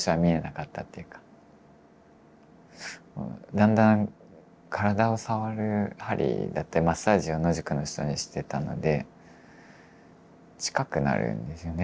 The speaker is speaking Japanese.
だんだん体を触る鍼だったりマッサージを野宿の人にしてたので近くなるんですよね